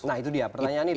nah itu dia pertanyaannya itu